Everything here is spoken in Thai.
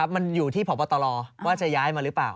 มันอยู่ที่พบตรว่าจะย้ายมาหรือเปล่า